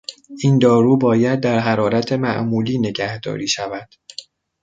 این دارو باید در حرارت معمولی نگهداری شود.